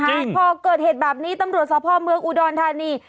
จริงพอเกิดเหตุแบบนี้ตำรวจสาวพ่อเมืองอูดอนธานี